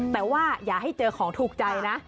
แต่ว่าอย่าให้เจอของถูกใจนะ